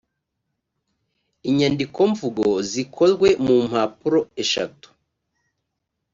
inyandikomvugo zikorwa mu mpapuro eshatu